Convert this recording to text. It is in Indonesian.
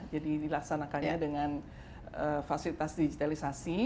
jadi dilaksanakannya dengan fasilitas digitalisasi